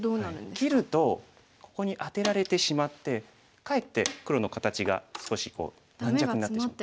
切るとここにアテられてしまってかえって黒の形が少し軟弱になってしまう。